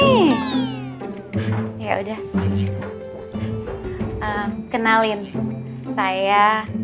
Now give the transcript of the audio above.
kalian masih udah pada kenal kan sama saya